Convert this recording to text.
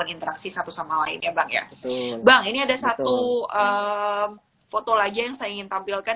interaksi satu sama lain ya bang ya betul bang ini ada satu foto lagi yang saya ingin tampilkan